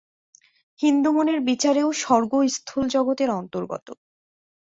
হিন্দুমনের বিচারে স্বর্গও স্থূল জগতের অন্তর্গত।